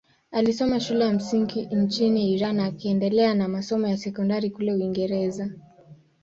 Alisoma shule ya msingi nchini Iran akaendelea na masomo ya sekondari kule Uingereza.